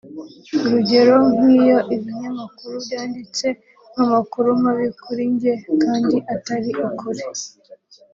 urugero nk’iyo ibinyamakuru byanditse nk’amakuru mabi kuri njye kandi atari ukuri